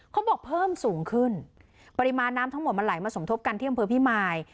เพิ่มสูงขึ้นปริมาณน้ำทั้งหมดมันไหลมาสมทบกันที่อำเภอพิมาย